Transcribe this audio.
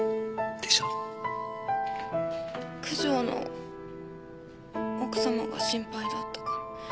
九条の奥様が心配だったから。